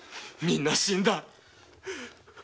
みんな死んだ。